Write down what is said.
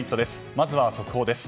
まずは速報です。